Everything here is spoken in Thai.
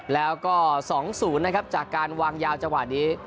แล้วก็๒๐นะครับจากการวางยาวจังหวะนี้